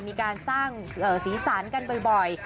มีการสร้างสีสันกันบ่อย